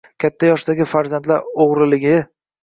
Katta yoshdagi farzandlar o‘g‘riligi